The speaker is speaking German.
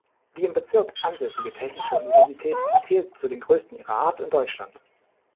Die im Bezirk ansässige Technische Universität zählt zu den größten ihrer Art in Deutschland.